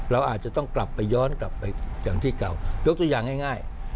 เราอาจจะต้องกลับไปย้อนกลับไปอย่างที่เก่ายกตัวอย่างง่าย